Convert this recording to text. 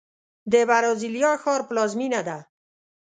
د برازیلیا ښار پلازمینه ده.